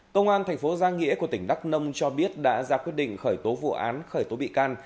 công an thành phố giang nghĩa của tỉnh đắk nông cho biết đã ra quyết định khởi tố vụ án khởi tố bị can